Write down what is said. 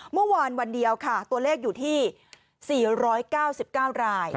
เมื่อวานวันเดียวตัวเลขอยู่ที่๔๙๙ราย